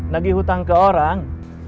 nagih hutang ke orang